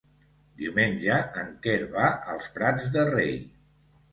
Diumenge en Quer va als Prats de Rei.